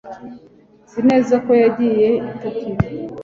nzi neza ko yagiye i tokiyo